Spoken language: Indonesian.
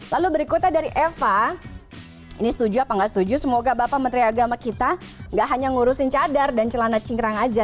lalu berikutnya dari eva ini setuju apa nggak setuju semoga bapak menteri agama kita gak hanya ngurusin cadar dan celana cingkrang aja